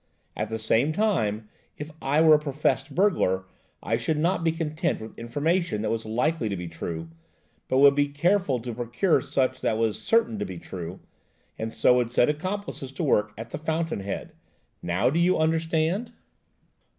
A the same time, if I were a professed burglar, I should not be content with information that was likely to be true, but would be careful to procure such that was certain to be true, and so would set accomplices to work at the fountain head. Now do you understand?"